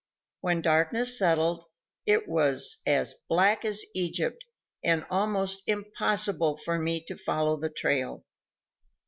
When darkness settled, it was as black as Egypt and almost impossible for me to follow the trail.